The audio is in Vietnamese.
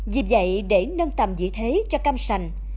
vì vậy để nâng tầm vị thế cho cam sành